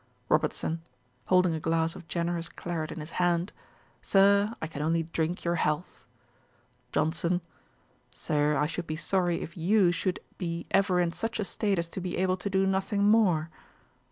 ROBERTSON: (holding a glass of generous claret in his hand.) 'Sir, I can only drink your health.' JOHNSON. 'Sir, I should be sorry if you should be ever in such a state as to be able to do nothing more.'